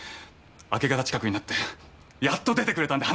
明け方近くになってやっと出てくれたんで話しました。